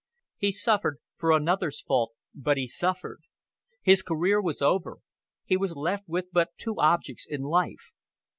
"He suffered for another's fault, but he suffered. His career was over, he was left with but two objects in life.